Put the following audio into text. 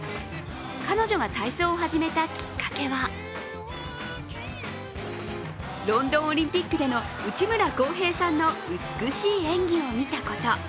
彼女が体操を始めたきっかけはロンドンオリンピックでの内村航平さんの美しい演技を見たこと。